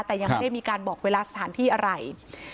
แต่ยังไม่ได้มีการบอกเวลาสถานที่อะไร